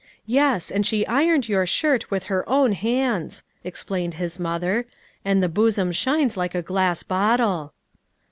" Yes ; and she ironed your shirt with her own hands," explained his mother, " and the bosom shines like a glass bottle."